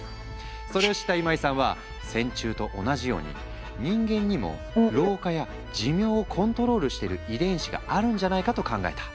それを知った今井さんは線虫と同じように人間にも老化や寿命をコントロールしている遺伝子があるんじゃないかと考えた。